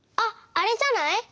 あれじゃない？